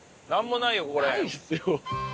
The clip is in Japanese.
ないっすよ。